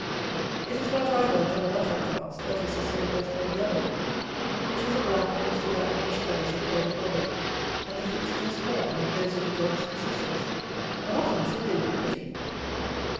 It is not, either, of the Mulatto cast; that is to say, there is no yellow in it. It is a black mixed with our English colours of pale, or red, and the features are small, like those of the girls in Sussex, and often singularly pretty.